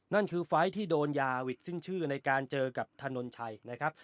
นั่นคือไฟล์ที่โดนยาวิกสิ้นชื่อในการเจอกับถนนชัยนะครับ